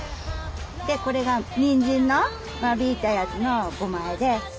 でこれがニンジンの間引いたやつのごまあえで。